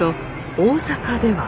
大坂では。